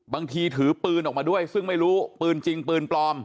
ถือปืนออกมาด้วยซึ่งไม่รู้ปืนจริงปืนปลอม